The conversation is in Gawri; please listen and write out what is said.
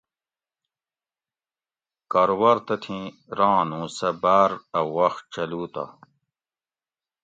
کاروبار تتھیں ران اُوں سہ باۤر اۤ وخت چلو تہ